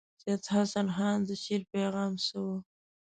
سید حسن خان د شعر پیغام څه وو.